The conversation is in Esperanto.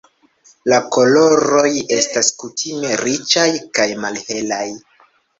La koloroj estas kutime riĉaj kaj malhelaj.